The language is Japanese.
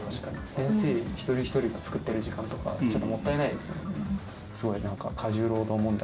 先生一人一人が作ってる時間とかちょっともったいないですもんね。